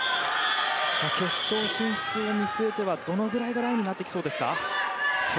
決勝進出を見据えてはどのぐらいがラインになってきそうですか？